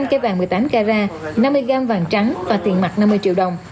năm cây vàng một mươi tám carat năm mươi gram vàng trắng và tiền mặt năm mươi triệu đồng